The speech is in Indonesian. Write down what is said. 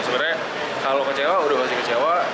sebenarnya kalau kecewa udah pasti kecewa